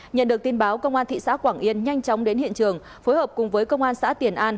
nhận được tin báo công an thị xã quảng yên nhanh chóng đến hiện trường phối hợp cùng với công an xã tiền an